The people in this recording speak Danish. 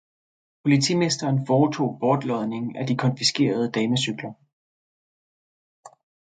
Politimesteren foretog bortlodning af de konfiskerede damecykler